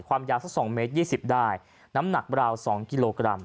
ความยาวสัก๒เมตร๒๐ได้น้ำหนักราว๒กิโลกรัม